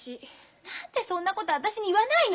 何でそんなこと私に言わないの！